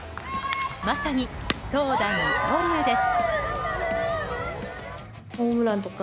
まさに、投打二刀流です。